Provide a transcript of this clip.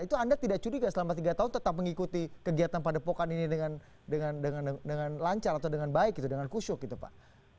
itu anda tidak curiga selama tiga tahun tetap mengikuti kegiatan padepokan ini dengan lancar atau dengan baik dengan kusyuk gitu pak